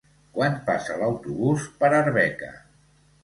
Quan passa l'autobús per Arbeca?